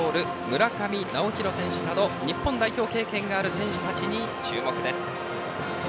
村上直広選手など日本代表経験がある選手たちに注目です。